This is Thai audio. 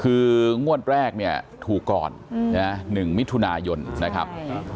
คืองวดแรกเนี่ยถูกก่อน๑มิถุนายนนะครับ